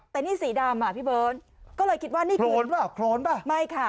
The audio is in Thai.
แต่นี่สีดำอ่ะพี่เบิร์ตก็เลยคิดว่านี่โครนเปล่าโครนป่ะไม่ค่ะ